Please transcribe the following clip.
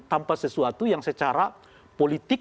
tanpa sesuatu yang secara politik